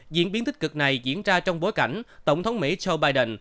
diễn biến tích cực này diễn ra trong bối cảnh tổng thống mỹ joe biden